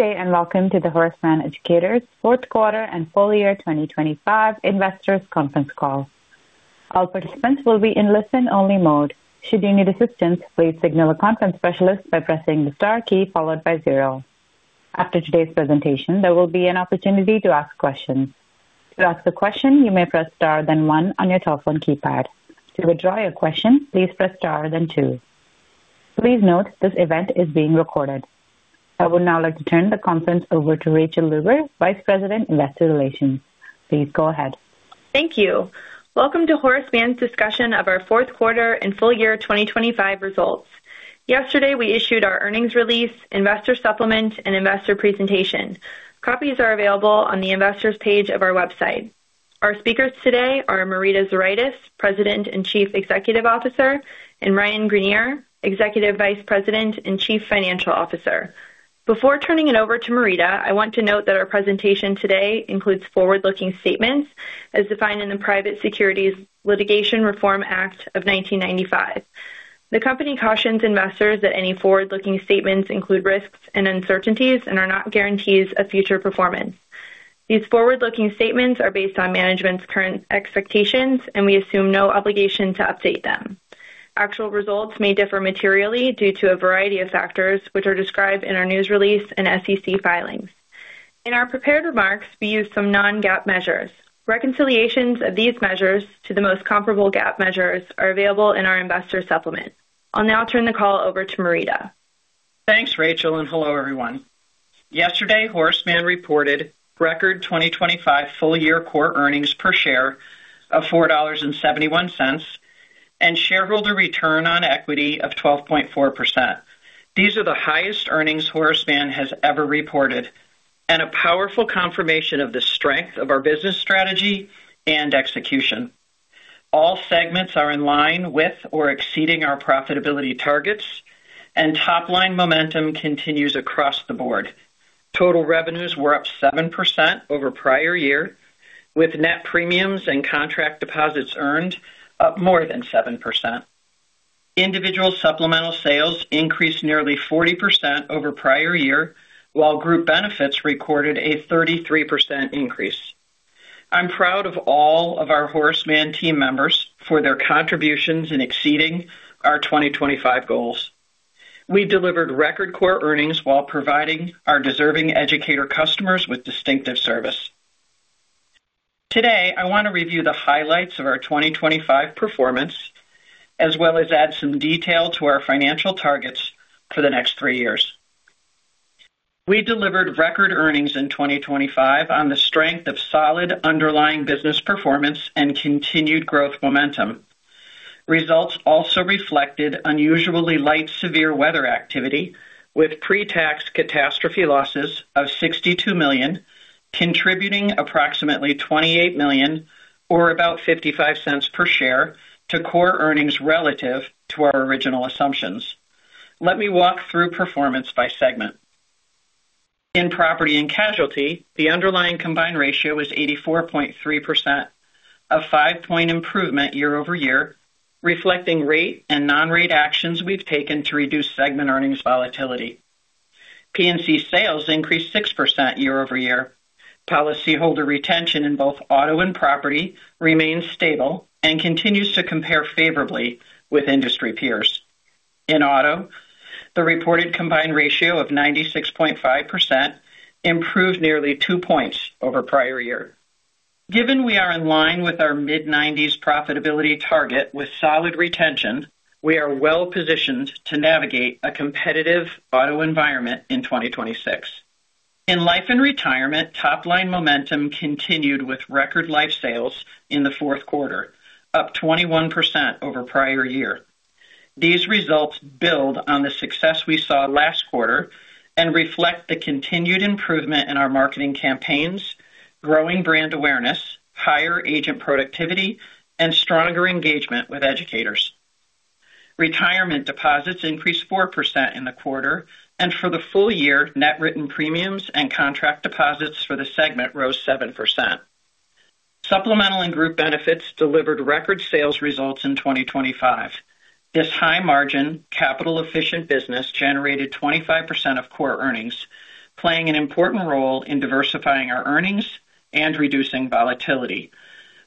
Good day, and welcome to the Horace Mann Educators Fourth Quarter and Full Year 2025 Investors Conference Call. All participants will be in listen-only mode. Should you need assistance, please signal a conference specialist by pressing the star key followed by zero. After today's presentation, there will be an opportunity to ask questions. To ask a question, you may press star, then one on your telephone keypad. To withdraw your question, please press star, then two. Please note, this event is being recorded. I would now like to turn the conference over to Rachael Luber, Vice President, Investor Relations. Please go ahead. Thank you. Welcome to Horace Mann's discussion of our fourth quarter and full year 2025 results. Yesterday, we issued our earnings release, investor supplement, and investor presentation. Copies are available on the investors page of our website. Our speakers today are Marita Zuraitis, President and Chief Executive Officer, and Ryan Greenier, Executive Vice President and Chief Financial Officer. Before turning it over to Marita, I want to note that our presentation today includes forward-looking statements as defined in the Private Securities Litigation Reform Act of 1995. The company cautions investors that any forward-looking statements include risks and uncertainties and are not guarantees of future performance. These forward-looking statements are based on management's current expectations, and we assume no obligation to update them. Actual results may differ materially due to a variety of factors, which are described in our news release and SEC filings. In our prepared remarks, we use some non-GAAP measures. Reconciliations of these measures to the most comparable GAAP measures are available in our investor supplement. I'll now turn the call over to Marita. Thanks, Rachel, and hello, everyone. Yesterday, Horace Mann reported record 2025 full-year core earnings per share of $4.71, and shareholder return on equity of 12.4%. These are the highest earnings Horace Mann has ever reported and a powerful confirmation of the strength of our business strategy and execution. All segments are in line with or exceeding our profitability targets, and top-line momentum continues across the board. Total revenues were up 7% over prior year, with net premiums and contract deposits earned up more than 7%. Individual Supplemental sales increased nearly 40% over prior year, while Group Benefits recorded a 33% increase. I'm proud of all of our Horace Mann team members for their contributions in exceeding our 2025 goals. We delivered record core earnings while providing our deserving educator customers with distinctive service. Today, I want to review the highlights of our 2025 performance, as well as add some detail to our financial targets for the next three years. We delivered record earnings in 2025 on the strength of solid underlying business performance and continued growth momentum. Results also reflected unusually light severe weather activity, with pre-tax catastrophe losses of $62 million, contributing approximately $28 million or about $0.55 per share to core earnings relative to our original assumptions. Let me walk through performance by segment. In Property and Casualty, the underlying combined ratio was 84.3%, a 5-point improvement year-over-year, reflecting rate and non-rate actions we've taken to reduce segment earnings volatility. P&C sales increased 6% year-over-year. Policyholder retention in both auto and property remains stable and continues to compare favorably with industry peers. In auto, the reported combined ratio of 96.5% improved nearly 2 points over prior year. Given we are in line with our mid-90s profitability target with solid retention, we are well-positioned to navigate a competitive auto environment in 2026. In Life and Retirement, top-line momentum continued with record life sales in the fourth quarter, up 21% over prior year. These results build on the success we saw last quarter and reflect the continued improvement in our marketing campaigns, growing brand awareness, higher agent productivity, and stronger engagement with educators. Retirement deposits increased 4% in the quarter, and for the full year, net written premiums and contract deposits for the segment rose 7%. Supplemental and Group Benefits delivered record sales results in 2025. This high-margin, capital-efficient business generated 25% of core earnings, playing an important role in diversifying our earnings and reducing volatility.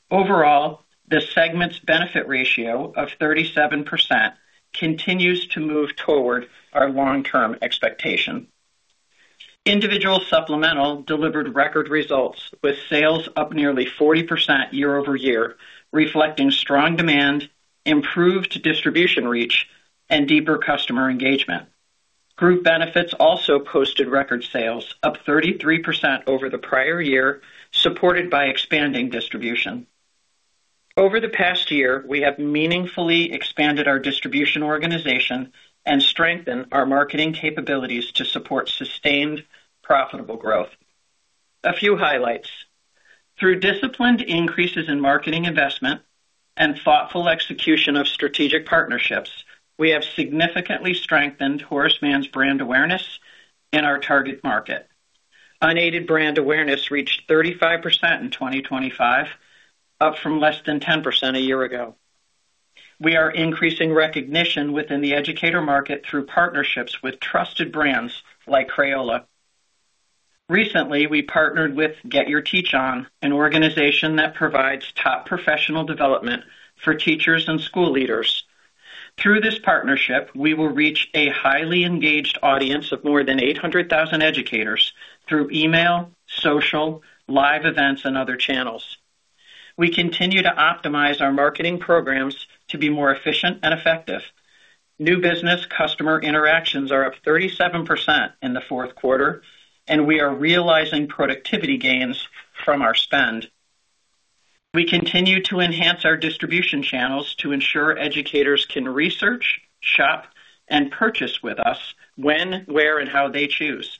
Overall, the segment's benefit ratio of 37% continues to move toward our long-term expectation. Individual Supplemental delivered record results, with sales up nearly 40% year-over-year, reflecting strong demand, improved distribution reach, and deeper customer engagement. Group Benefits also posted record sales, up 33% over the prior year, supported by expanding distribution. Over the past year, we have meaningfully expanded our distribution organization and strengthened our marketing capabilities to support sustained, profitable growth. A few highlights. Through disciplined increases in marketing investment and thoughtful execution of strategic partnerships, we have significantly strengthened Horace Mann's brand awareness in our target market. Unaided brand awareness reached 35% in 2025, up from less than 10% a year ago. We are increasing recognition within the educator market through partnerships with trusted brands like Crayola. Recently, we partnered with Get Your Teach On, an organization that provides top professional development for teachers and school leaders. Through this partnership, we will reach a highly engaged audience of more than 800,000 educators through email, social, live events, and other channels. We continue to optimize our marketing programs to be more efficient and effective. New business customer interactions are up 37% in the fourth quarter, and we are realizing productivity gains from our spend. We continue to enhance our distribution channels to ensure educators can research, shop, and purchase with us when, where, and how they choose.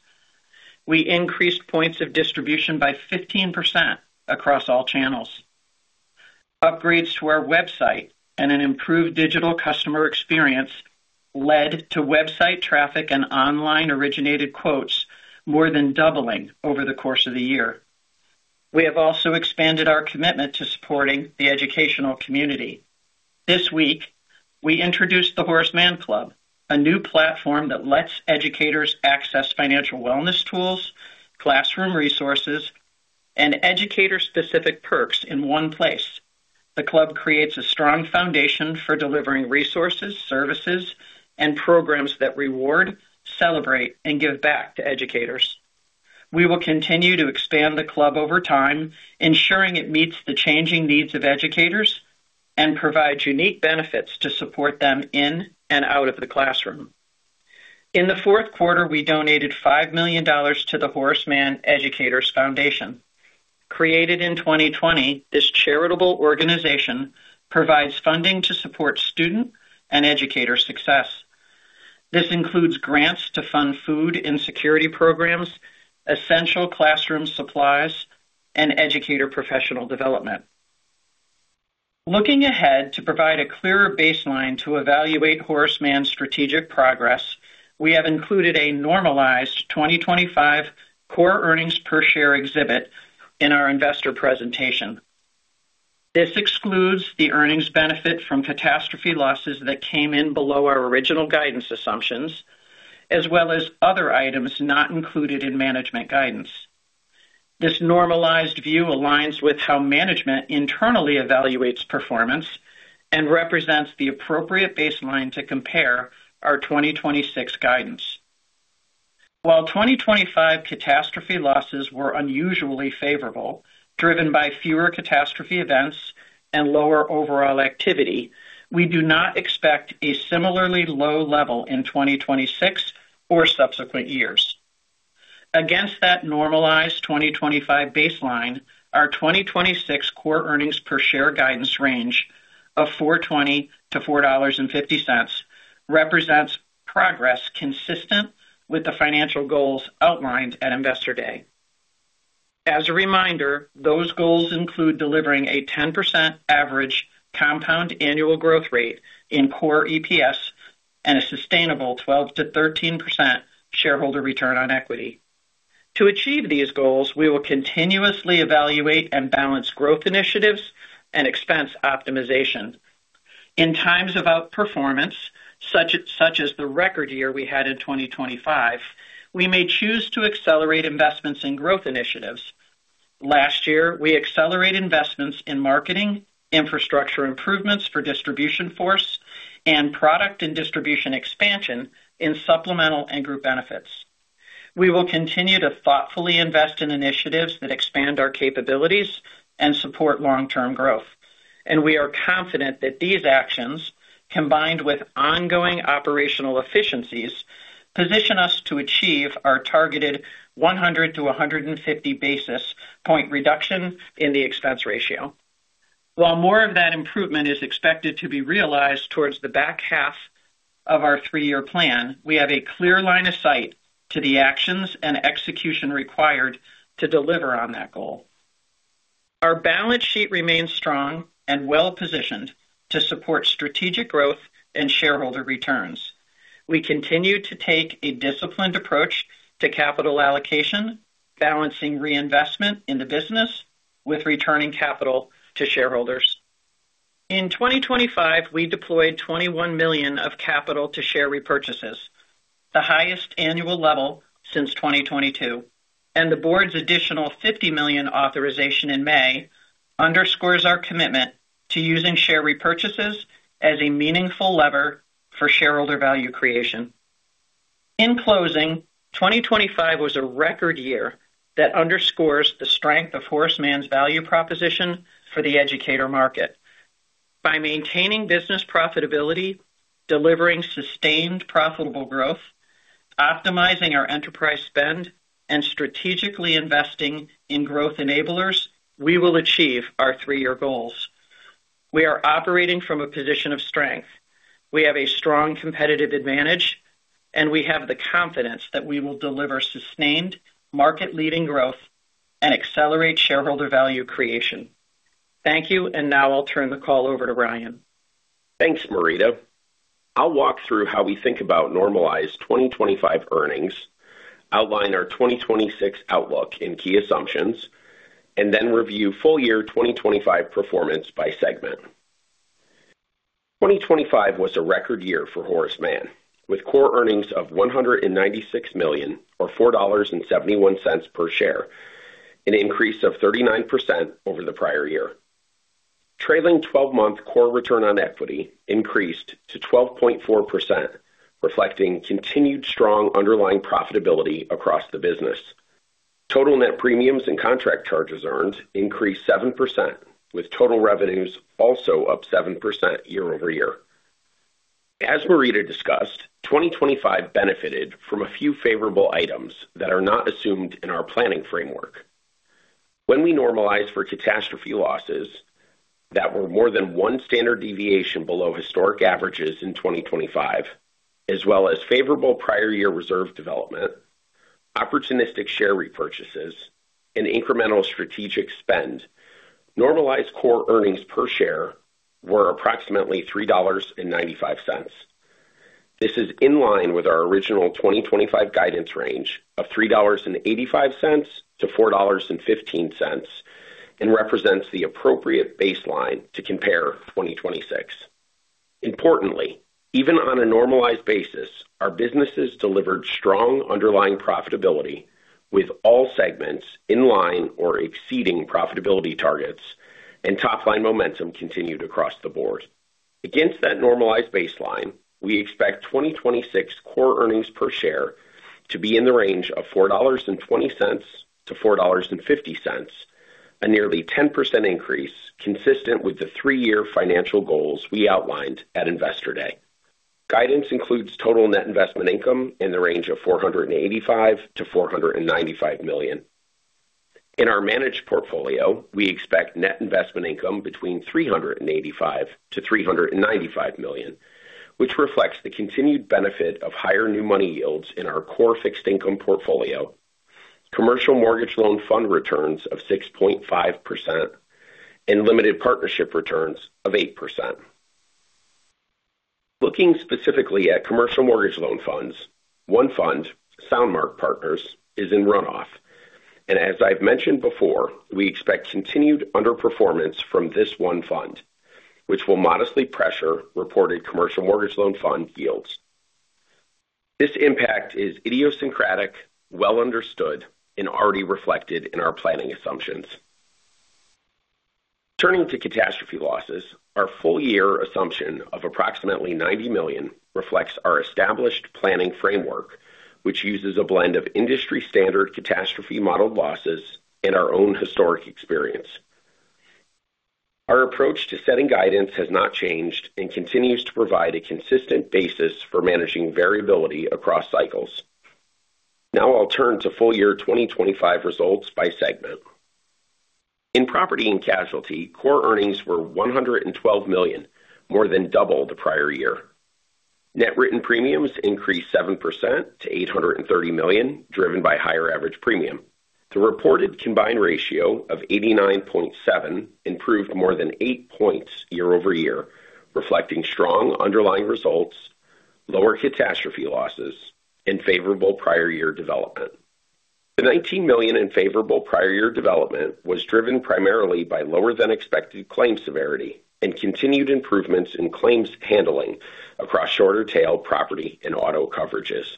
We increased points of distribution by 15% across all channels. Upgrades to our website and an improved digital customer experience led to website traffic and online-originated quotes more than doubling over the course of the year. We have also expanded our commitment to supporting the educational community. This week, we introduced the Horace Mann Club, a new platform that lets educators access financial wellness tools, classroom resources, and educator-specific perks in one place. The club creates a strong foundation for delivering resources, services, and programs that reward, celebrate, and give back to educators. We will continue to expand the club over time, ensuring it meets the changing needs of educators and provides unique benefits to support them in and out of the classroom. In the fourth quarter, we donated $5 million to the Horace Mann Educators Foundation. Created in 2020, this charitable organization provides funding to support student and educator success. This includes grants to fund food insecurity programs, essential classroom supplies, and educator professional development. Looking ahead, to provide a clearer baseline to evaluate Horace Mann's strategic progress, we have included a normalized 2025 core earnings per share exhibit in our investor presentation. This excludes the earnings benefit from catastrophe losses that came in below our original guidance assumptions, as well as other items not included in management guidance. This normalized view aligns with how management internally evaluates performance and represents the appropriate baseline to compare our 2026 guidance. While 2025 catastrophe losses were unusually favorable, driven by fewer catastrophe events and lower overall activity, we do not expect a similarly low level in 2026 or subsequent years. Against that normalized 2025 baseline, our 2026 core earnings per share guidance range of $4.20-$4.50 represents progress consistent with the financial goals outlined at Investor Day. As a reminder, those goals include delivering a 10% average compound annual growth rate in core EPS and a sustainable 12%-13% shareholder return on equity. To achieve these goals, we will continuously evaluate and balance growth initiatives and expense optimization. In times of outperformance, such as the record year we had in 2025, we may choose to accelerate investments in growth initiatives. Last year, we accelerated investments in marketing, infrastructure improvements for distribution force, and product and distribution expansion in Supplemental and Group Benefits. We will continue to thoughtfully invest in initiatives that expand our capabilities and support long-term growth, and we are confident that these actions, combined with ongoing operational efficiencies, position us to achieve our targeted 100-150 basis point reduction in the expense ratio. While more of that improvement is expected to be realized towards the back half of our three-year plan, we have a clear line of sight to the actions and execution required to deliver on that goal. Our balance sheet remains strong and well-positioned to support strategic growth and shareholder returns. We continue to take a disciplined approach to capital allocation, balancing reinvestment in the business with returning capital to shareholders. In 2025, we deployed $21 million of capital to share repurchases, the highest annual level since 2022, and the board's additional $50 million authorization in May underscores our commitment to using share repurchases as a meaningful lever for shareholder value creation. In closing, 2025 was a record year that underscores the strength of Horace Mann's value proposition for the educator market. By maintaining business profitability, delivering sustained profitable growth, optimizing our enterprise spend, and strategically investing in growth enablers, we will achieve our 3-year goals. We are operating from a position of strength. We have a strong competitive advantage, and we have the confidence that we will deliver sustained market-leading growth and accelerate shareholder value creation. Thank you, and now I'll turn the call over to Ryan. Thanks, Marita. I'll walk through how we think about normalized 2025 earnings, outline our 2026 outlook and key assumptions, and then review full year 2025 performance by segment. 2025 was a record year for Horace Mann, with core earnings of $196 million, or $4.71 per share, an increase of 39% over the prior year. Trailing twelve-month core return on equity increased to 12.4%, reflecting continued strong underlying profitability across the business. Total net premiums and contract charges earned increased 7%, with total revenues also up 7% year-over-year. As Marita discussed, 2025 benefited from a few favorable items that are not assumed in our planning framework. When we normalize for catastrophe losses that were more than one standard deviation below historic averages in 2025, as well as favorable prior year reserve development, opportunistic share repurchases, and incremental strategic spend, normalized core earnings per share were approximately $3.95. This is in line with our original 2025 guidance range of $3.85-$4.15, and represents the appropriate baseline to compare 2026. Importantly, even on a normalized basis, our businesses delivered strong underlying profitability, with all segments in line or exceeding profitability targets, and top-line momentum continued across the board. Against that normalized baseline, we expect 2026 core earnings per share to be in the range of $4.20-$4.50, a nearly 10% increase, consistent with the 3-year financial goals we outlined at Investor Day. Guidance includes total net investment income in the range of $485 million-$495 million. In our managed portfolio, we expect net investment income between $385 million-$395 million, which reflects the continued benefit of higher new money yields in our core fixed income portfolio, commercial mortgage loan fund returns of 6.5%, and limited partnership returns of 8%. Looking specifically at commercial mortgage loan funds, one fund, Sound Mark Partners, is in runoff, and as I've mentioned before, we expect continued underperformance from this one fund, which will modestly pressure reported commercial mortgage loan fund yields. This impact is idiosyncratic, well understood, and already reflected in our planning assumptions. Turning to catastrophe losses, our full year assumption of approximately $90 million reflects our established planning framework, which uses a blend of industry-standard catastrophe modeled losses and our own historic experience. Our approach to setting guidance has not changed and continues to provide a consistent basis for managing variability across cycles. Now I'll turn to full year 2025 results by segment. In property and casualty, core earnings were $112 million, more than double the prior year. Net written premiums increased 7% to $830 million, driven by higher average premium. The reported combined ratio of 89.7 improved more than 8 points year-over-year, reflecting strong underlying results, lower catastrophe losses and favorable prior year development. The $19 million in favorable prior year development was driven primarily by lower than expected claims severity and continued improvements in claims handling across shorter tail property and auto coverages.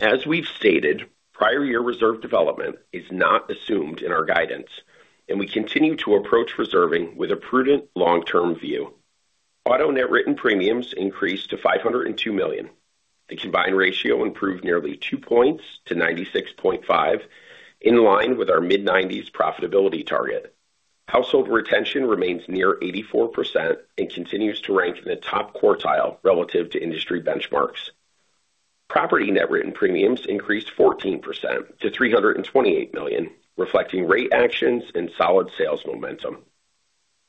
As we've stated, prior year reserve development is not assumed in our guidance, and we continue to approach reserving with a prudent, long-term view. Auto net written premiums increased to $502 million. The combined ratio improved nearly 2 points to 96.5, in line with our mid-90s profitability target. Household retention remains near 84% and continues to rank in the top quartile relative to industry benchmarks. Property net written premiums increased 14% to $328 million, reflecting rate actions and solid sales momentum.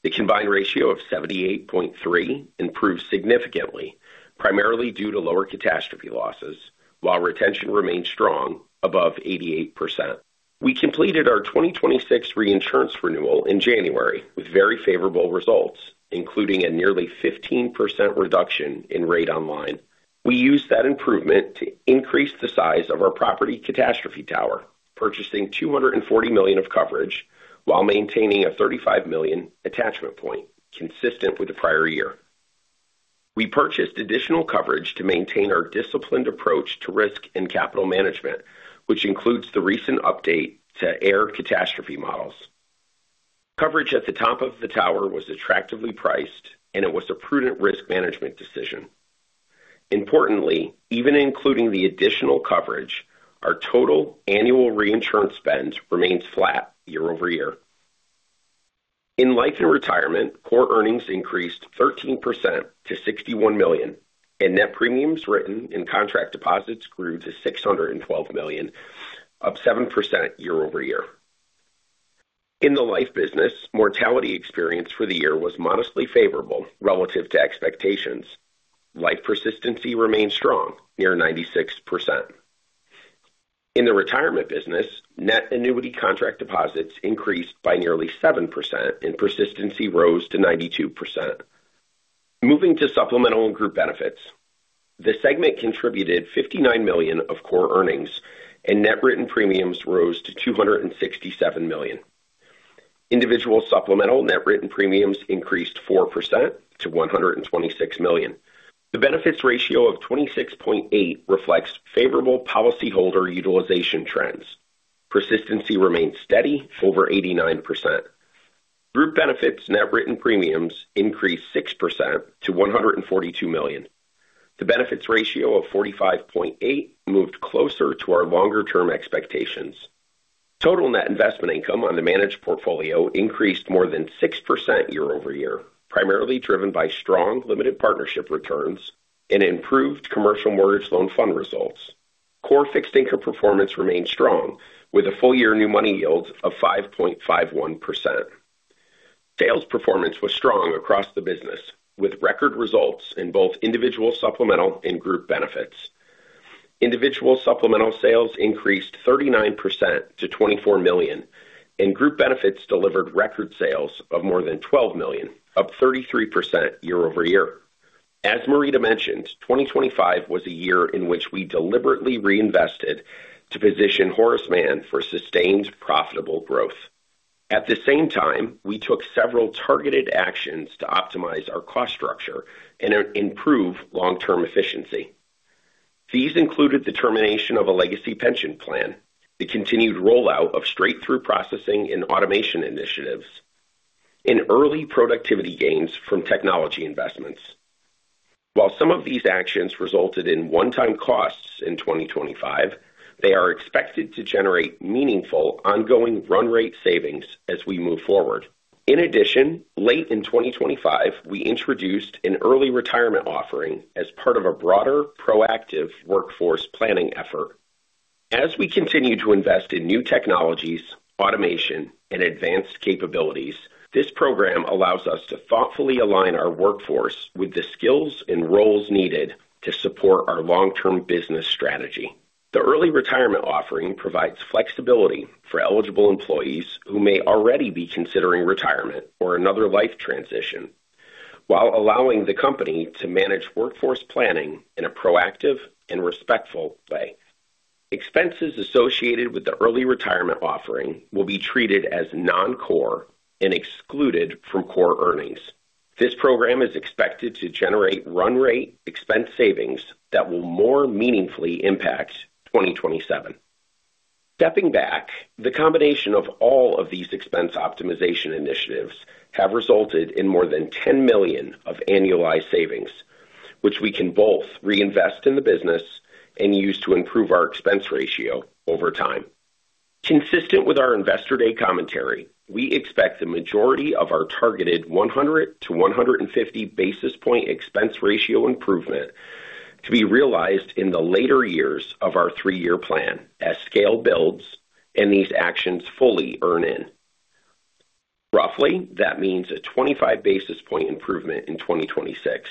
The combined ratio of 78.3 improved significantly, primarily due to lower catastrophe losses, while retention remained strong above 88%. We completed our 2026 reinsurance renewal in January with very favorable results, including a nearly 15% reduction in Rate on Line. We used that improvement to increase the size of our property catastrophe tower, purchasing $240 million of coverage while maintaining a $35 million attachment point consistent with the prior year. We purchased additional coverage to maintain our disciplined approach to risk and capital management, which includes the recent update to AIR catastrophe models. Coverage at the top of the tower was attractively priced, and it was a prudent risk management decision. Importantly, even including the additional coverage, our total annual reinsurance spend remains flat year-over-year. In Life and Retirement, core earnings increased 13% to $61 million, and net premiums written and contract deposits grew to $612 million, up 7% year-over-year. In the life business, mortality experience for the year was modestly favorable relative to expectations. Life persistency remains strong, near 96%. In the retirement business, net annuity contract deposits increased by nearly 7% and persistency rose to 92%. Moving to Supplemental and Group Benefits, the segment contributed $59 million of core earnings, and net written premiums rose to $267 million. Individual Supplemental net written premiums increased 4% to $126 million. The benefits ratio of 26.8 reflects favorable policyholder utilization trends. Persistency remains steady over 89%. Group benefits net written premiums increased 6% to $142 million. The benefits ratio of 45.8 moved closer to our longer-term expectations. Total net investment income on the managed portfolio increased more than 6% year-over-year, primarily driven by strong limited partnership returns and improved commercial mortgage loan fund results. Core fixed income performance remained strong, with a full year new money yield of 5.51%. Sales performance was strong across the business, with record results in both Individual Supplemental and Group Benefits. Individual Supplemental sales increased 39% to $24 million, and Group Benefits delivered record sales of more than $12 million, up 33% year-over-year. As Marita mentioned, 2025 was a year in which we deliberately reinvested to position Horace Mann for sustained, profitable growth. At the same time, we took several targeted actions to optimize our cost structure and improve long-term efficiency. These included the termination of a legacy pension plan, the continued rollout of straight-through processing and automation initiatives, and early productivity gains from technology investments. While some of these actions resulted in one-time costs in 2025, they are expected to generate meaningful, ongoing run rate savings as we move forward. In addition, late in 2025, we introduced an early retirement offering as part of a broader proactive workforce planning effort. As we continue to invest in new technologies, automation, and advanced capabilities, this program allows us to thoughtfully align our workforce with the skills and roles needed to support our long-term business strategy. The early retirement offering provides flexibility for eligible employees who may already be considering retirement or another life transition, while allowing the company to manage workforce planning in a proactive and respectful way. Expenses associated with the early retirement offering will be treated as non-core and excluded from core earnings. This program is expected to generate run rate expense savings that will more meaningfully impact 2027. Stepping back, the combination of all of these expense optimization initiatives have resulted in more than $10 million of annualized savings, which we can both reinvest in the business and use to improve our expense ratio over time. Consistent with our Investor Day commentary, we expect the majority of our targeted 100-150 basis point expense ratio improvement to be realized in the later years of our three-year plan as scale builds and these actions fully earn in. Roughly, that means a 25 basis point improvement in 2026,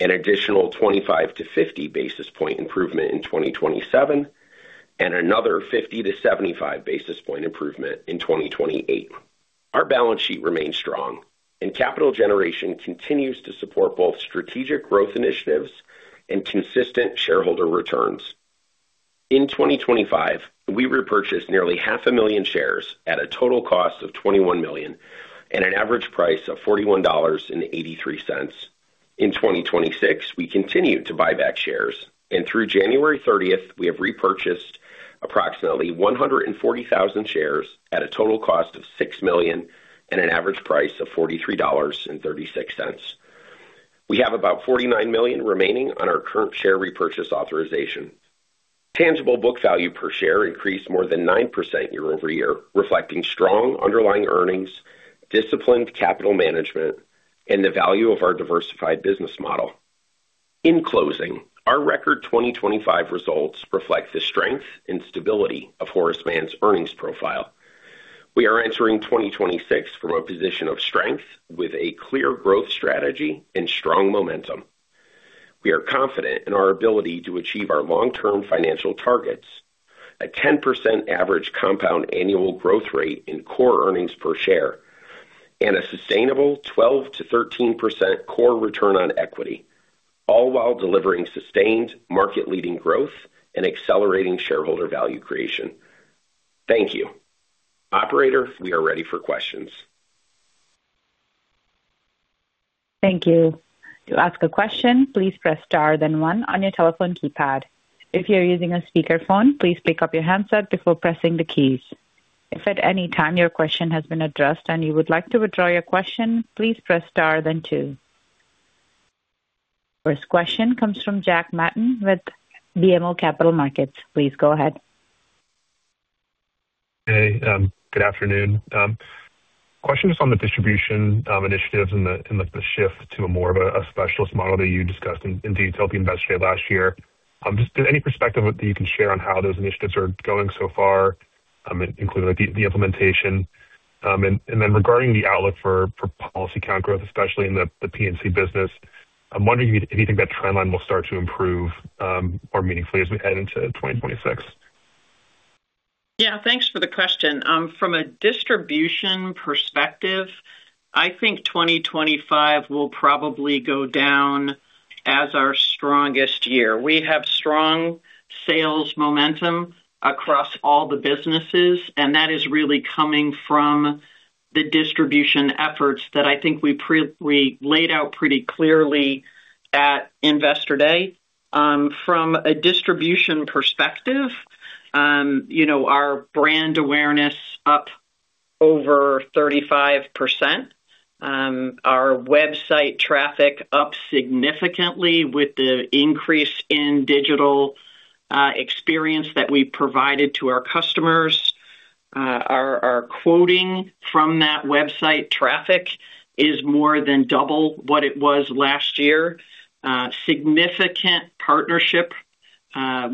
an additional 25-50 basis point improvement in 2027, and another 50-75 basis point improvement in 2028. Our balance sheet remains strong, and capital generation continues to support both strategic growth initiatives and consistent shareholder returns. In 2025, we repurchased nearly 500,000 shares at a total cost of $21 million and an average price of $41.83. In 2026, we continued to buy back shares, and through January 30th, we have repurchased approximately 140,000 shares at a total cost of $6 million and an average price of $43.36. We have about $49 million remaining on our current share repurchase authorization. Tangible book value per share increased more than 9% year-over-year, reflecting strong underlying earnings, disciplined capital management, and the value of our diversified business model. In closing, our record 2025 results reflect the strength and stability of Horace Mann's earnings profile. We are entering 2026 from a position of strength with a clear growth strategy and strong momentum. We are confident in our ability to achieve our long-term financial targets, a 10% average compound annual growth rate in core earnings per share, and a sustainable 12%-13% core return on equity, all while delivering sustained market-leading growth and accelerating shareholder value creation. Thank you. Operator, we are ready for questions. Thank you. To ask a question, please press star then one on your telephone keypad. If you're using a speakerphone, please pick up your handset before pressing the keys. If at any time your question has been addressed and you would like to withdraw your question, please press star then two. First question comes from Jack Matten with BMO Capital Markets. Please go ahead. Hey, good afternoon. Question just on the distribution initiatives and the, and like the shift to a more of a, a specialist model that you discussed in detail at the Investor Day last year. Just any perspective that you can share on how those initiatives are going so far? Including, like, the, the implementation. And, and then regarding the outlook for, for policy count growth, especially in the, the P&C business, I'm wondering if you, if you think that trend line will start to improve, more meaningfully as we head into 2026? Yeah, thanks for the question. From a distribution perspective, I think 2025 will probably go down as our strongest year. We have strong sales momentum across all the businesses, and that is really coming from the distribution efforts that I think we laid out pretty clearly at Investor Day. From a distribution perspective, you know, our brand awareness up over 35%. Our website traffic up significantly with the increase in digital experience that we provided to our customers. Our quoting from that website traffic is more than double what it was last year. Significant partnership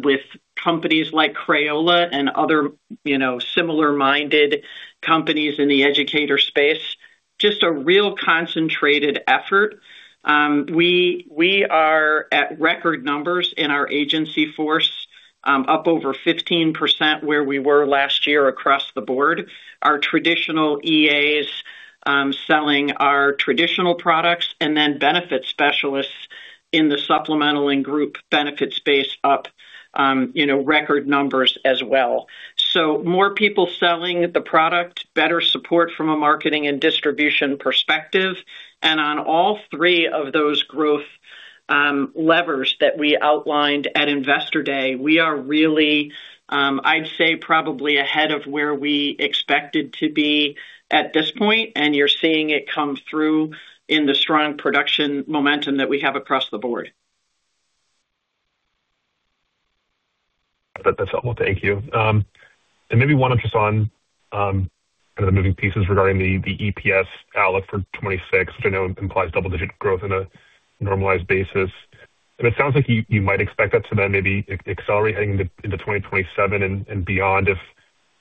with companies like Crayola and other, you know, similar-minded companies in the educator space. Just a real concentrated effort. We, we are at record numbers in our agency force, up over 15% where we were last year across the board. Our traditional EAs, selling our traditional products, and then benefit specialists in the Supplemental and Group Benefits space up, you know, record numbers as well. So more people selling the product, better support from a marketing and distribution perspective, and on all three of those growth, levers that we outlined at Investor Day, we are really, I'd say, probably ahead of where we expected to be at this point, and you're seeing it come through in the strong production momentum that we have across the board. That's helpful. Thank you. And maybe one interest on kind of the moving pieces regarding the EPS outlook for 2026, which I know implies double-digit growth on a normalized basis. And it sounds like you might expect that to then maybe accelerate heading into 2027 and beyond if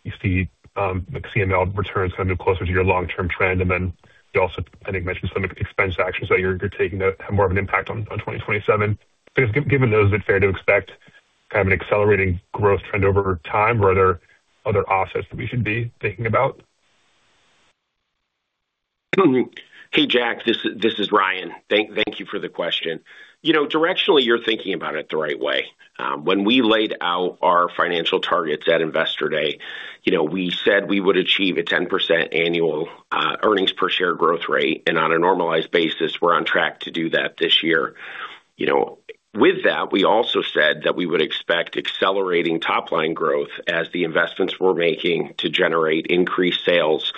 you see like CML returns kind of closer to your long-term trend. And then you also, I think, mentioned some expense actions that you're taking to have more of an impact on 2027. Because given those, is it fair to expect kind of an accelerating growth trend over time, or are there other offsets that we should be thinking about? Hey, Jack, this is Ryan. Thank you for the question. You know, directionally, you're thinking about it the right way. When we laid out our financial targets at Investor Day, you know, we said we would achieve a 10% annual earnings per share growth rate, and on a normalized basis, we're on track to do that this year. You know, with that, we also said that we would expect accelerating top-line growth as the investments we're making to generate increased sales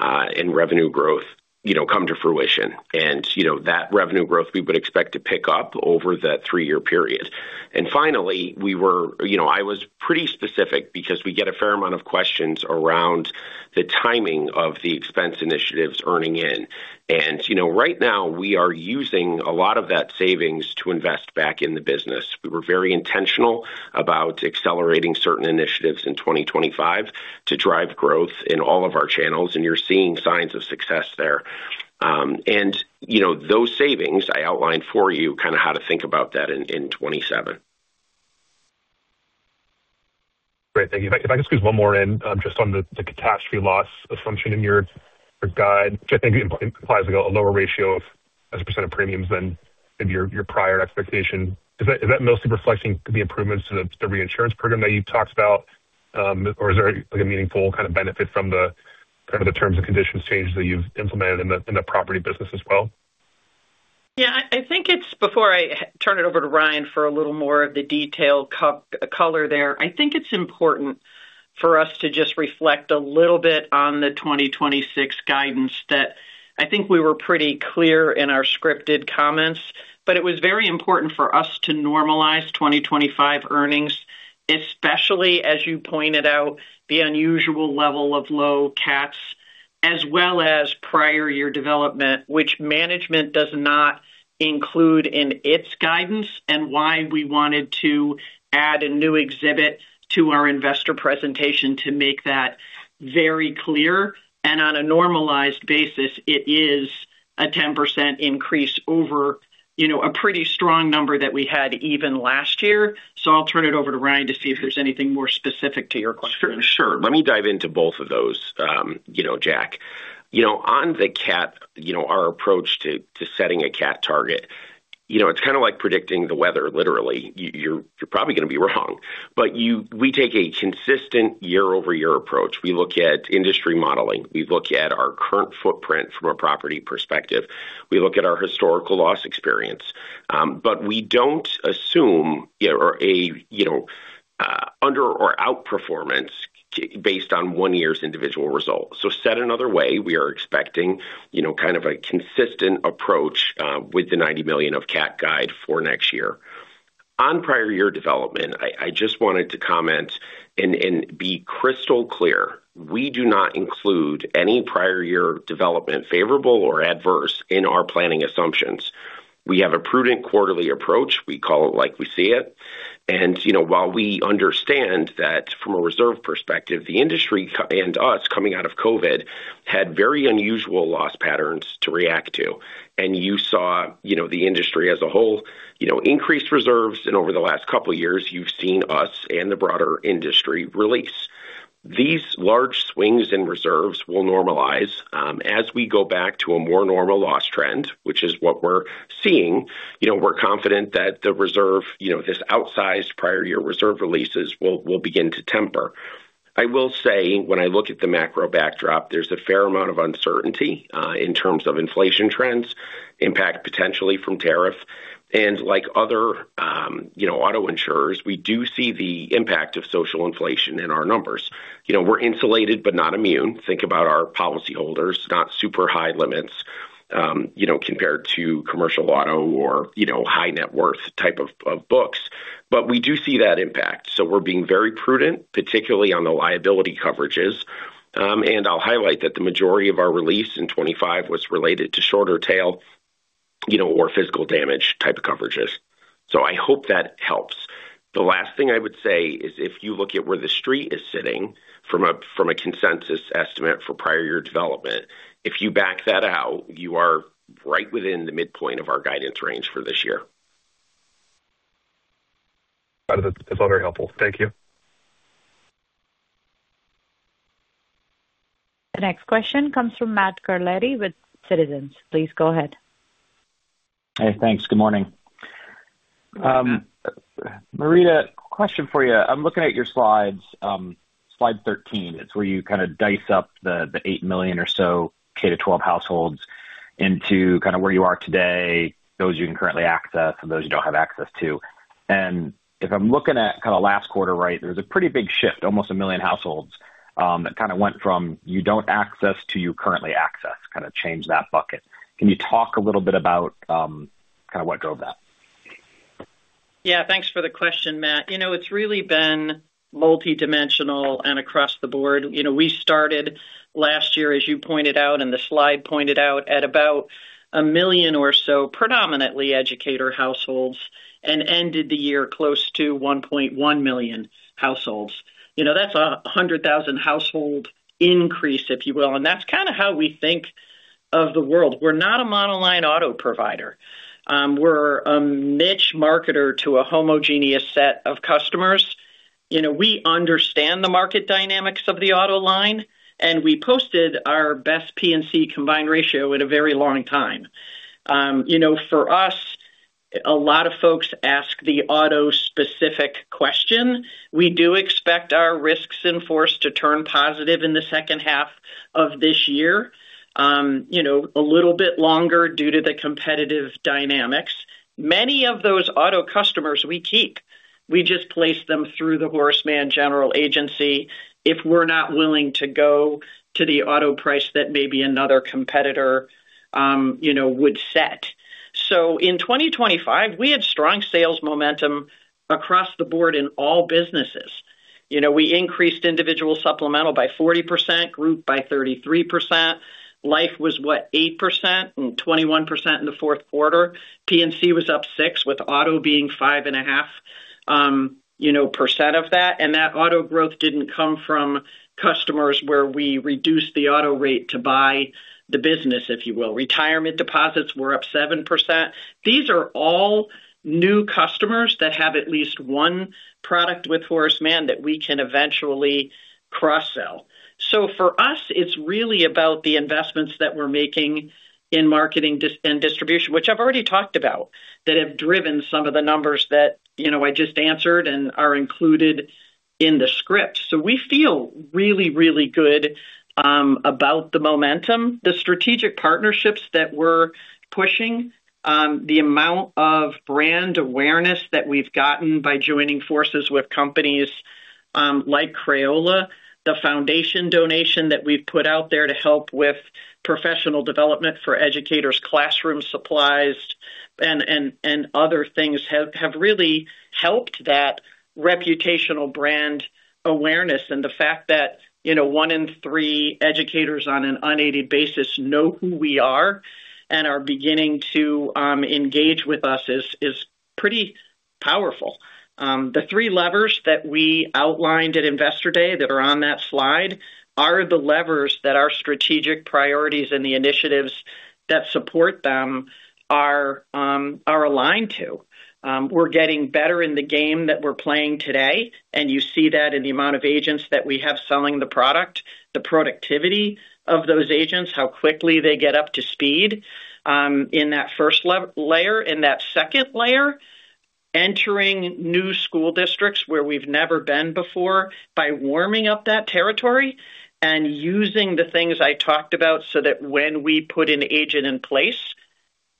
and revenue growth, you know, come to fruition. And, you know, that revenue growth we would expect to pick up over that three-year period. And finally, you know, I was pretty specific because we get a fair amount of questions around the timing of the expense initiatives earning in. You know, right now, we are using a lot of that savings to invest back in the business. We were very intentional about accelerating certain initiatives in 2025 to drive growth in all of our channels, and you're seeing signs of success there. You know, those savings I outlined for you, kind of how to think about that in 2027. Great. Thank you. If I could squeeze one more in, just on the catastrophe loss assumption in your guide, which I think implies a lower ratio as a percent of premiums than maybe your prior expectation. Is that mostly reflecting the improvements to the reinsurance program that you talked about, or is there, like, a meaningful kind of benefit from the kind of terms and conditions changes that you've implemented in the property business as well? Yeah, I think it's. Before I turn it over to Ryan for a little more of the detailed color there, I think it's important for us to just reflect a little bit on the 2026 guidance that I think we were pretty clear in our scripted comments, but it was very important for us to normalize 2025 earnings, especially as you pointed out, the unusual level of low cats, as well as prior year development, which management does not include in its guidance, and why we wanted to add a new exhibit to our investor presentation to make that very clear. And on a normalized basis, it is a 10% increase over, you know, a pretty strong number that we had even last year. So I'll turn it over to Ryan to see if there's anything more specific to your question. Sure. Let me dive into both of those, you know, Jack. You know, on the CAT, you know, our approach to setting a CAT target, you know, it's kind of like predicting the weather literally. You're probably gonna be wrong, but we take a consistent year-over-year approach. We look at industry modeling, we look at our current footprint from a property perspective, we look at our historical loss experience, but we don't assume, you know, a under or outperformance based on one year's individual results. So said another way, we are expecting, you know, kind of a consistent approach with the $90 million CAT guide for next year. On prior year development, I just wanted to comment and be crystal clear. We do not include any prior year development, favorable or adverse, in our planning assumptions. We have a prudent quarterly approach. We call it like we see it. While we understand that from a reserve perspective, the industry and us coming out of COVID had very unusual loss patterns to react to. You saw, you know, the industry as a whole, you know, increase reserves, and over the last couple of years, you've seen us and the broader industry release. These large swings in reserves will normalize as we go back to a more normal loss trend, which is what we're seeing. You know, we're confident that the reserve, you know, this outsized prior year reserve releases will begin to temper. I will say, when I look at the macro backdrop, there's a fair amount of uncertainty in terms of inflation trends, impact potentially from tariff. Like other, you know, auto insurers, we do see the impact of social inflation in our numbers. You know, we're insulated, but not immune. Think about our policyholders, not super high limits, you know, compared to commercial auto or, you know, high net worth type of, of books. But we do see that impact. So we're being very prudent, particularly on the liability coverages. And I'll highlight that the majority of our release in 2025 was related to shorter tail, you know, or physical damage type of coverages. So I hope that helps. The last thing I would say is, if you look at where the street is sitting from a, from a consensus estimate for prior year development, if you back that out, you are right within the midpoint of our guidance range for this year. That is all very helpful. Thank you. The next question comes from Matt Carletti with Citizens JMP. Please go ahead. Hey, thanks. Good morning. Marita, question for you. I'm looking at your slides, slide 13. It's where you kind of dice up the, the 8 million or so K-12 households into kind of where you are today, those you can currently access and those you don't have access to. And if I'm looking at kind of last quarter, right, there's a pretty big shift, almost 1 million households, that kind of went from you don't access to you currently access, kind of change that bucket. Can you talk a little bit about, kind of what drove that? Yeah, thanks for the question, Matt. You know, it's really been multidimensional and across the board. You know, we started last year, as you pointed out, and the slide pointed out, at about 1 million or so, predominantly educator households, and ended the year close to 1.1 million households. You know, that's a 100,000 household increase, if you will. And that's kind of how we think of the world. We're not a monoline auto provider. We're a niche marketer to a homogeneous set of customers. You know, we understand the market dynamics of the auto line, and we posted our best P&C combined ratio in a very long time. You know, for us, a lot of folks ask the auto-specific question. We do expect our risks in force to turn positive in the second half of this year, you know, a little bit longer due to the competitive dynamics. Many of those auto customers we keep. We just place them through the Horace Mann General Agency if we're not willing to go to the auto price that maybe another competitor, you know, would set. So in 2025, we had strong sales momentum across the board in all businesses. You know, we increased Individual Supplemental by 40%, group by 33%. Life was what? 8% and 21% in the fourth quarter. P&C was up 6, with auto being 5.5, you know, percent of that. And that auto growth didn't come from customers where we reduced the auto rate to buy the business, if you will. Retirement deposits were up 7%. These are all new customers that have at least one product with Horace Mann that we can eventually cross-sell. So for us, it's really about the investments that we're making in marketing digital and distribution, which I've already talked about, that have driven some of the numbers that, you know, I just answered and are included in the script. So we feel really, really good about the momentum, the strategic partnerships that we're pushing, the amount of brand awareness that we've gotten by joining forces with companies like Crayola, the foundation donation that we've put out there to help with professional development for educators, classroom supplies and other things have really helped that reputational brand awareness. And the fact that, you know, one in three educators on an unaided basis know who we are and are beginning to engage with us is pretty powerful. The three levers that we outlined at Investor Day that are on that slide are the levers that our strategic priorities and the initiatives that support them are aligned to. We're getting better in the game that we're playing today, and you see that in the amount of agents that we have selling the product, the productivity of those agents, how quickly they get up to speed in that first layer. In that second layer, entering new school districts where we've never been before by warming up that territory and using the things I talked about so that when we put an agent in place,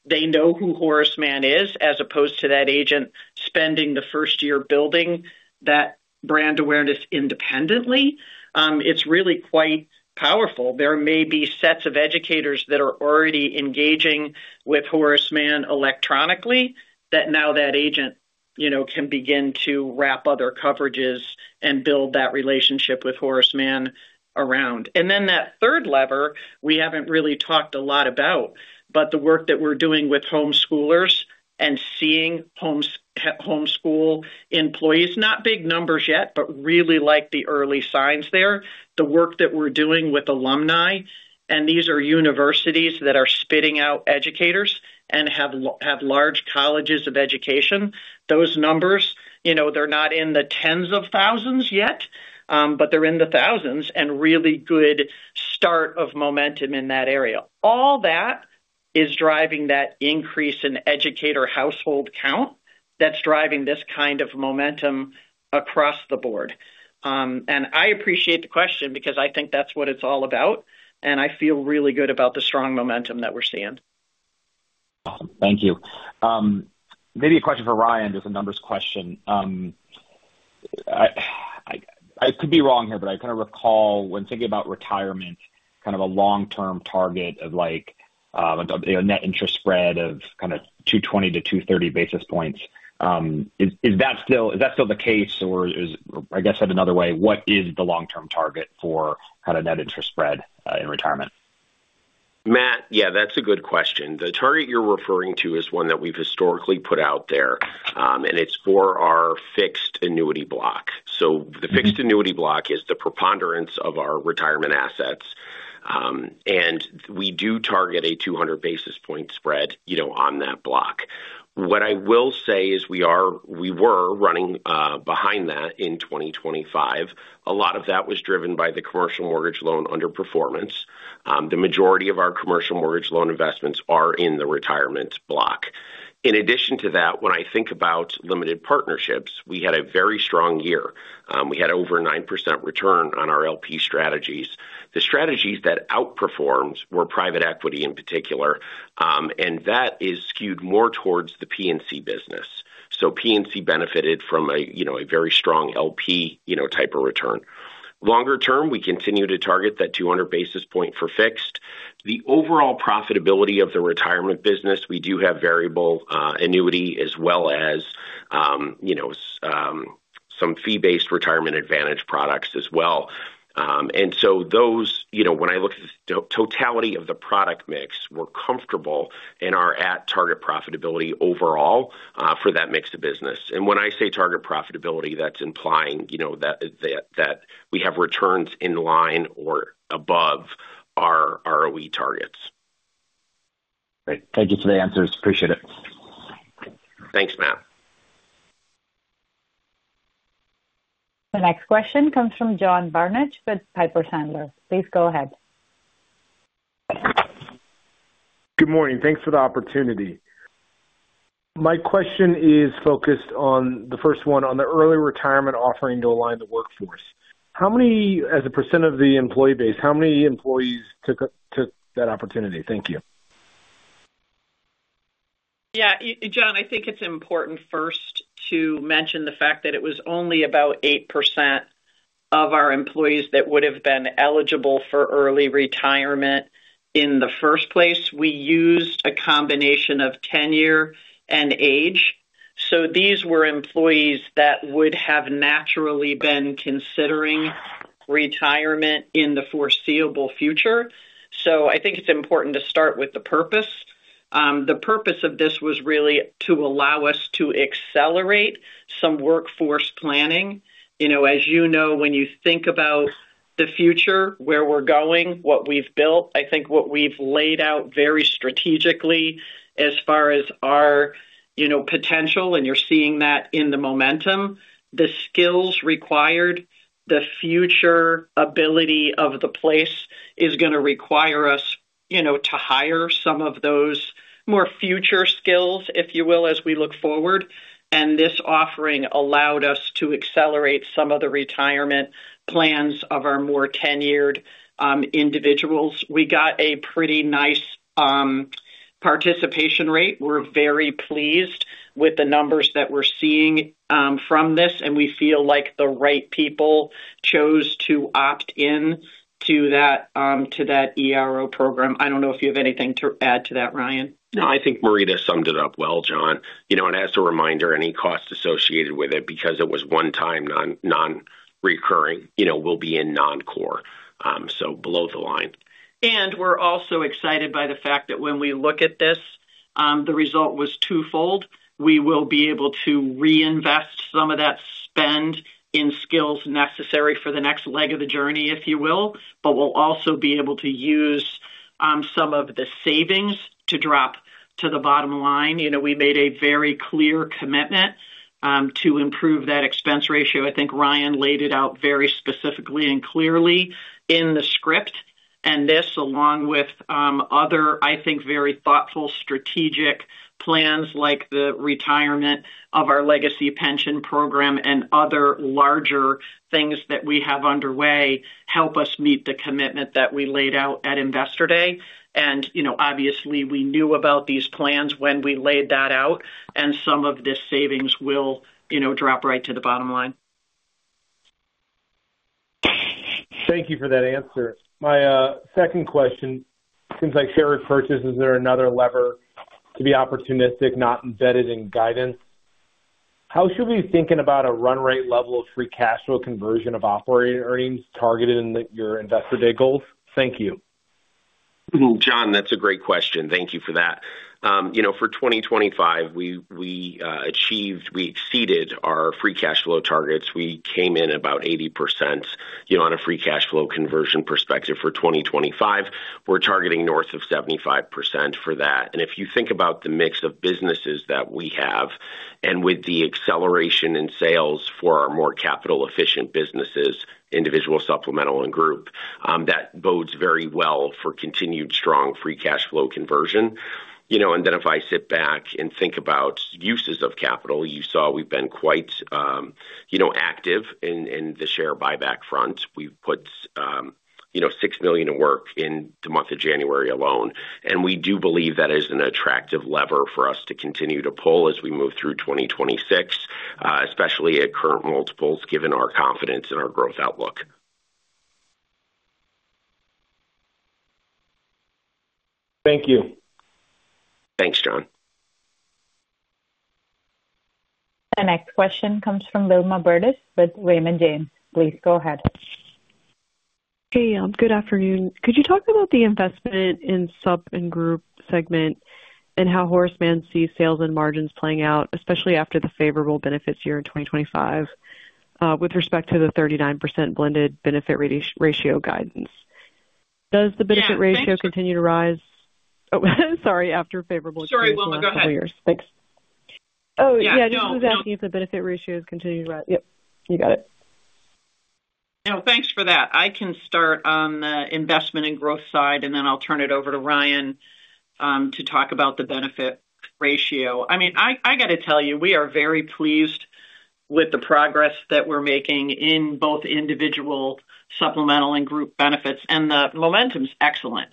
they know who Horace Mann is, as opposed to that agent spending the first year building that brand awareness independently. It's really quite powerful. There may be sets of educators that are already engaging with Horace Mann electronically, that now that agent you know can begin to wrap other coverages and build that relationship with Horace Mann around. And then that third lever, we haven't really talked a lot about, but the work that we're doing with homeschoolers and seeing homeschool employees, not big numbers yet, but really like the early signs there. The work that we're doing with alumni, and these are universities that are spitting out educators and have large colleges of education. Those numbers, you know, they're not in the tens of thousands yet, but they're in the thousands and really good start of momentum in that area. All that is driving that increase in educator household count that's driving this kind of momentum across the board. And I appreciate the question because I think that's what it's all about, and I feel really good about the strong momentum that we're seeing. Awesome. Thank you. Maybe a question for Ryan, just a numbers question. I could be wrong here, but I kind of recall when thinking about retirement, kind of a long-term target of, like, a net interest spread of kind of 220-230 basis points. Is that still the case, or is I guess, said another way, what is the long-term target for kind of net interest spread in retirement? Matt, yeah, that's a good question. The target you're referring to is one that we've historically put out there, and it's for our fixed annuity block. So the fixed annuity block is the preponderance of our retirement assets. And we do target a 200 basis point spread, you know, on that block. What I will say is we were running behind that in 2025. A lot of that was driven by the commercial mortgage loan underperformance. The majority of our commercial mortgage loan investments are in the retirement block. In addition to that, when I think about limited partnerships, we had a very strong year. We had over 9% return on our LP strategies. The strategies that outperformed were private equity in particular, and that is skewed more towards the P&C business. So P&C benefited from a, you know, a very strong LP, you know, type of return. Longer term, we continue to target that 200 basis point for fixed. The overall profitability of the retirement business, we do have variable annuity as well as, you know, some fee-based retirement advantage products as well. And so those, you know, when I look at the totality of the product mix, we're comfortable and are at target profitability overall for that mix of business. And when I say target profitability, that's implying, you know, that, that, that we have returns in line or above our ROE targets. Great. Thank you for the answers. Appreciate it. Thanks, Matt. The next question comes from John Barnidge with Piper Sandler. Please go ahead. Good morning. Thanks for the opportunity. My question is focused on the first one, on the early retirement offering to align the workforce. How many, as a % of the employee base, how many employees took that opportunity? Thank you. Yeah, John, I think it's important first to mention the fact that it was only about 8% of our employees that would have been eligible for early retirement in the first place. We used a combination of tenure and age, so these were employees that would have naturally been considering retirement in the foreseeable future. So I think it's important to start with the purpose. The purpose of this was really to allow us to accelerate some workforce planning. You know, as you know, when you think about the future, where we're going, what we've built, I think what we've laid out very strategically as far as our, you know, potential, and you're seeing that in the momentum, the skills required, the future ability of the place is going to require us, you know, to hire some of those more future skills, if you will, as we look forward. And this offering allowed us to accelerate some of the retirement plans of our more tenured individuals. We got a pretty nice participation rate. We're very pleased with the numbers that we're seeing from this, and we feel like the right people chose to opt in to that ERO program. I don't know if you have anything to add to that, Ryan? No, I think Marita summed it up well, John. You know, and as a reminder, any costs associated with it, because it was one-time, non-recurring, you know, will be in non-core, so below the line. And we're also excited by the fact that when we look at this, the result was twofold. We will be able to reinvest some of that spend in skills necessary for the next leg of the journey, if you will, but we'll also be able to use some of the savings to drop to the bottom line. You know, we made a very clear commitment to improve that expense ratio. I think Ryan laid it out very specifically and clearly in the script, and this, along with other, I think, very thoughtful, strategic plans, like the retirement of our legacy pension program and other larger things that we have underway, help us meet the commitment that we laid out at Investor Day. You know, obviously, we knew about these plans when we laid that out, and some of this savings will, you know, drop right to the bottom line. Thank you for that answer. My second question, seems like share repurchases are another lever to be opportunistic, not embedded in guidance. How should we be thinking about a run rate level of free cash flow conversion of operating earnings targeted in your Investor Day goals? Thank you. John, that's a great question. Thank you for that. You know, for 2025, we achieved, we exceeded our free cash flow targets. We came in about 80%, you know, on a free cash flow conversion perspective. For 2025, we're targeting north of 75% for that. And if you think about the mix of businesses that we have and with the acceleration in sales for our more capital-efficient businesses, Individual Supplemental, and Group, that bodes very well for continued strong free cash flow conversion. You know, and then if I sit back and think about uses of capital, you saw we've been quite, you know, active in the share buyback front. We've put, you know, $6 million to work in the month of January alone, and we do believe that is an attractive lever for us to continue to pull as we move through 2026, especially at current multiples, given our confidence in our growth outlook. Thank you. Thanks, John. The next question comes from Wilma Burdis with Raymond James. Please go ahead. Hey, good afternoon. Could you talk about the investment in Supplemental and Group segment and how Horace Mann sees sales and margins playing out, especially after the favorable benefits year in 2025, with respect to the 39% blended benefit ratio guidance? Does the benefit ratio continue to rise? Oh, sorry, after favorable- Sorry, Wilma, go ahead. Thanks. Oh, yeah, I just was asking if the benefit ratio has continued to rise. Yep, you got it. No, thanks for that. I can start on the investment and growth side, and then I'll turn it over to Ryan, to talk about the benefit ratio. I mean, I got to tell you, we are very pleased with the progress that we're making in both Individual Supplemental and Group Benefits, and the momentum is excellent.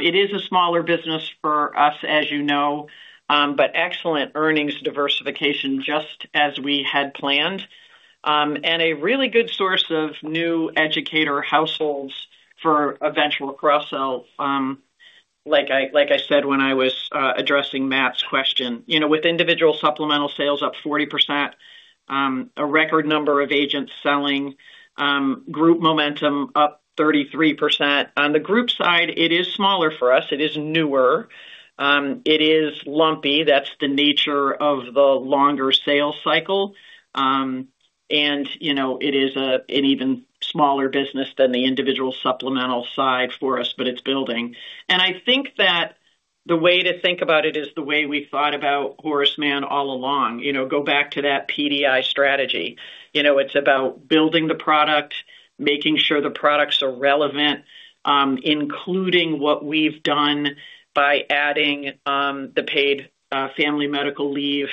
It is a smaller business for us, as you know, but excellent earnings diversification, just as we had planned. And a really good source of new educator households for eventual cross-sell, like I said when I was addressing Matt's question. You know, with Individual Supplemental sales up 40%, a record number of agents selling, group momentum up 33%. On the group side, it is smaller for us. It is newer, it is lumpy. That's the nature of the longer sales cycle. You know, it is a, an even smaller business than the Individual Supplemental side for us, but it's building. I think that the way to think about it is the way we thought about Horace Mann all along. You know, go back to that PDI strategy. You know, it's about building the product, making sure the products are relevant, including what we've done by adding the paid family medical leave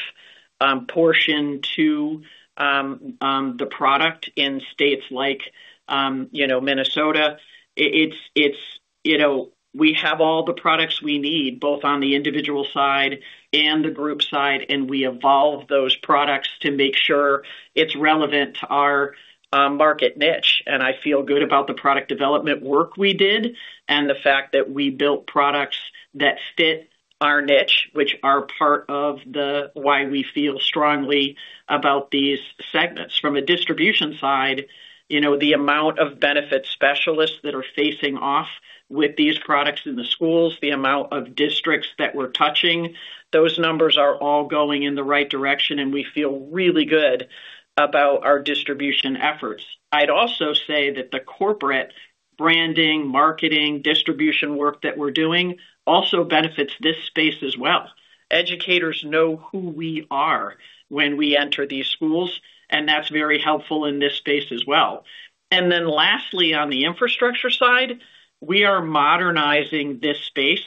portion to the product in states like Minnesota. It's, you know, we have all the products we need, both on the individual side and the group side, and we evolve those products to make sure it's relevant to our market niche. I feel good about the product development work we did and the fact that we built products that fit our niche, which are part of the why we feel strongly about these segments. From a distribution side, you know, the amount of benefit specialists that are facing off with these products in the schools, the amount of districts that we're touching, those numbers are all going in the right direction, and we feel really good about our distribution efforts. I'd also say that the corporate branding, marketing, distribution work that we're doing also benefits this space as well. Educators know who we are when we enter these schools, and that's very helpful in this space as well. And then lastly, on the infrastructure side, we are modernizing this space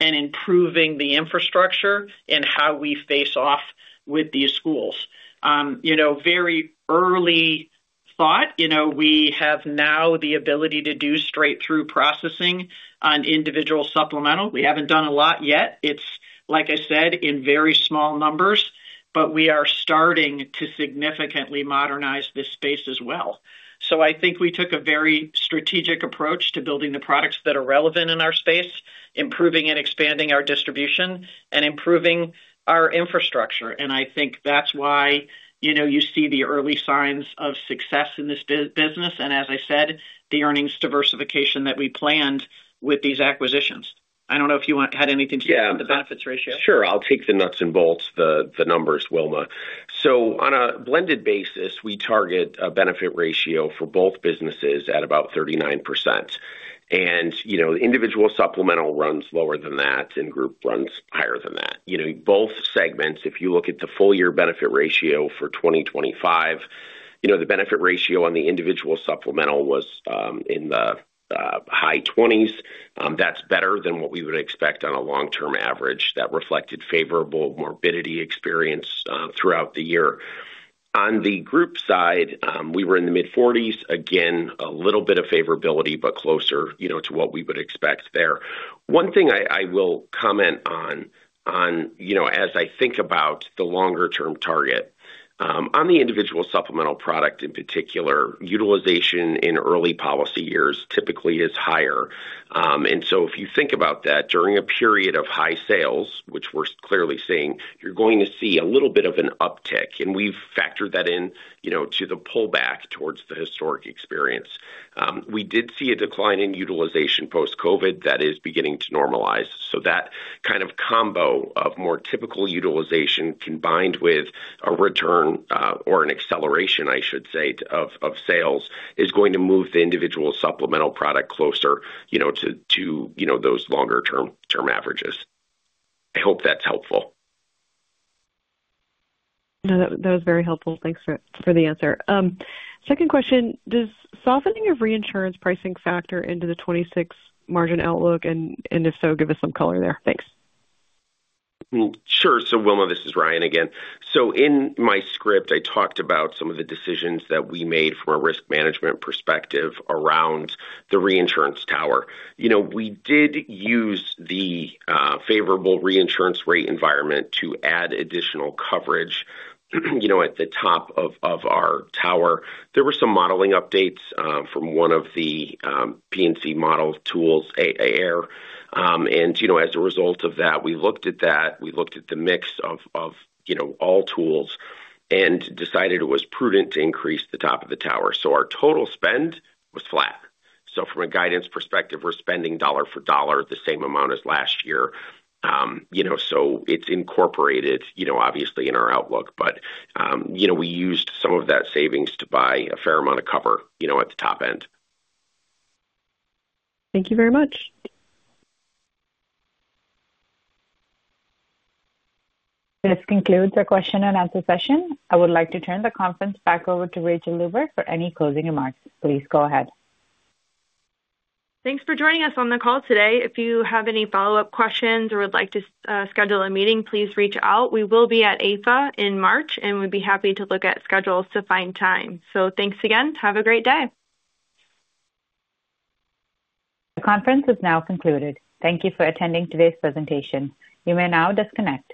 and improving the infrastructure and how we face off with these schools. You know, very early thought, you know, we have now the ability to do straight-through processing on Individual Supplemental. We haven't done a lot yet. It's, like I said, in very small numbers, but we are starting to significantly modernize this space as well. So I think we took a very strategic approach to building the products that are relevant in our space, improving and expanding our distribution, and improving our infrastructure. And I think that's why, you know, you see the early signs of success in this business, and as I said, the earnings diversification that we planned with these acquisitions. I don't know if you want to add anything to the benefit ratio. Sure. I'll take the nuts and bolts, the numbers, Wilma. So on a blended basis, we target a benefit ratio for both businesses at about 39%. You know, Individual Supplemental runs lower than that and group runs higher than that. You know, both segments, if you look at the full-year benefit ratio for 2025, you know, the benefit ratio on the Individual Supplemental was in the high twenties. That's better than what we would expect on a long-term average. That reflected favorable morbidity experience throughout the year. On the group side, we were in the mid-forties. Again, a little bit of favorability, but closer, you know, to what we would expect there. One thing I will comment on, you know, as I think about the longer-term target, on the Individual Supplemental product in particular, utilization in early policy years typically is higher. And so if you think about that, during a period of high sales, which we're clearly seeing, you're going to see a little bit of an uptick, and we've factored that in, you know, to the pullback towards the historic experience. We did see a decline in utilization post-COVID that is beginning to normalize. So that kind of combo of more typical utilization combined with a return, or an acceleration, I should say, of sales, is going to move the Individual Supplemental product closer, you know, to, you know, those longer term averages. I hope that's helpful. No, that, that was very helpful. Thanks for, for the answer. Second question, does softening of reinsurance pricing factor into the 2026 margin outlook? And, and if so, give us some color there. Thanks. Sure. So Wilma, this is Ryan again. So in my script, I talked about some of the decisions that we made from a risk management perspective around the reinsurance tower. You know, we did use the favorable reinsurance rate environment to add additional coverage, you know, at the top of our tower. There were some modeling updates from one of the P&C model tools, AIR. And, you know, as a result of that, we looked at that, we looked at the mix of all tools and decided it was prudent to increase the top of the tower. So our total spend was flat. So from a guidance perspective, we're spending dollar for dollar the same amount as last year. You know, so it's incorporated, you know, obviously in our outlook. But, you know, we used some of that savings to buy a fair amount of cover, you know, at the top end. Thank you very much. This concludes our question and answer session. I would like to turn the conference back over to Rachael Luber for any closing remarks. Please go ahead. Thanks for joining us on the call today. If you have any follow-up questions or would like to schedule a meeting, please reach out. We will be at AIFA in March, and we'd be happy to look at schedules to find time. So thanks again. Have a great day. The conference is now concluded. Thank you for attending today's presentation. You may now disconnect.